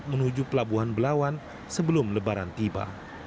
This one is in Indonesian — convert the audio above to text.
menuju pelabuhan belawan sebelum lebaran tiba